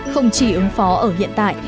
không chỉ ứng phó ở hiện tại